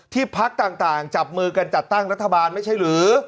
พักต่างจับมือกันจัดตั้งรัฐบาลไม่ใช่หรือ